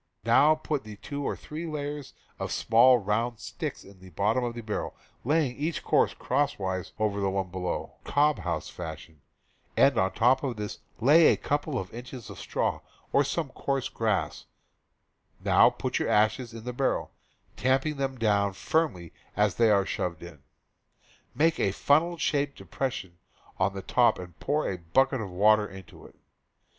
Now put two or three layers of small round sticks in the bottom of the barrel, laying each course cross wise of the one below, cob house fashion, and on top of this lay a couple of inches of straw or coarse grass; now put your ashes in the barrel, tamping them down firmly as they are shoveled in; make a funnel shaped depression in the top and pour a bucket of water into it.